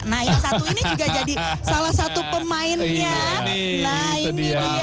nah yang satu ini juga jadi salah satu pemainnya